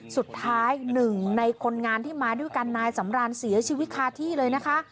สุดท้ายหนึ่งในคนงานที่มาด้วยกันนายสำรานเสียชีวิตคาที่เลยนะคะ